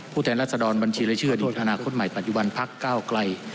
ผู้แทนรัฐศดรรย์บัญชีและเชื่อดินธนาคตใหม่ปัจจุบันพัก๙ไกล